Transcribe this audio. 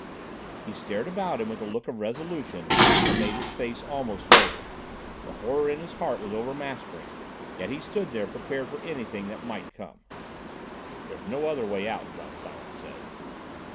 He stared about him with a look of resolution that made his face almost noble. The horror in his heart was overmastering, yet he stood there prepared for anything that might come. "There's no other way out," John Silence said.